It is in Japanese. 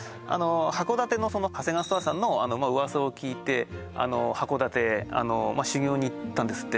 函館のハセガワストアさんの噂を聞いて函館修業に行ったんですって